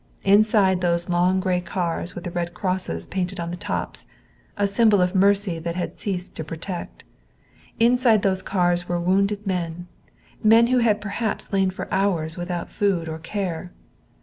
Inside those long gray cars with the red crosses painted on the tops a symbol of mercy that had ceased to protect inside those cars were wounded men, men who had perhaps lain for hours without food or care.